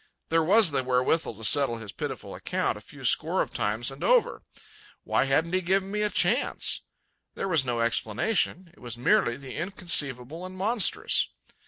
There was the wherewithal to settle his pitiful account a few score of times and over—why hadn't he given me a chance? There was no explanation; it was merely the inconceivable and monstrous.